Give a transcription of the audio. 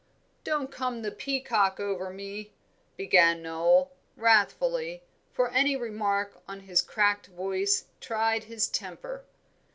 "Don't come the peacock over me," began Noel, wrathfully, for any remark on his cracked voice tried his temper.